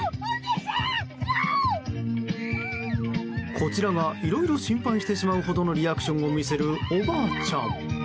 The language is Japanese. こちらがいろいろ心配してしまうほどのリアクションをしてしまうおばあちゃん。